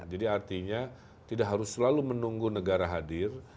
jadi artinya tidak harus selalu menunggu negara hadir